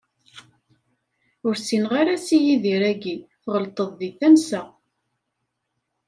Ur ssineɣ ara Si Yidir-agi, tɣelṭeḍ di tansa.